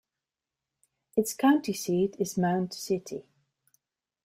Its county seat is Mound City.